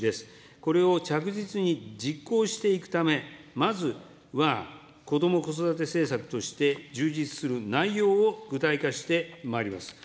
これを着実に実行していくため、まずは、こども・子育て政策として充実する内容を具体化してまいります。